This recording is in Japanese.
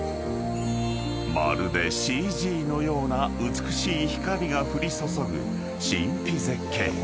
［まるでＣＧのような美しい光が降り注ぐ神秘絶景］